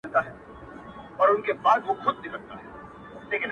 • ویل ستوری دي د بخت پر ځلېدو سو -